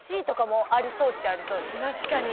Ｃとかもありそうっちゃありそうですよね。